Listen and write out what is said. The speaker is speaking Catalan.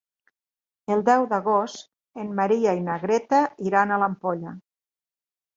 El deu d'agost en Maria i na Greta iran a l'Ampolla.